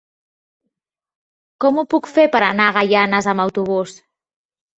Com ho puc fer per anar a Gaianes amb autobús?